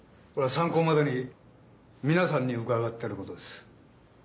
参考までに皆さんに伺っていることです。